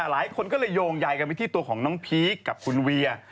หลายคนก็เลยโยงใยกันไปที่ตัวของน้องพีคกับคุณเวีย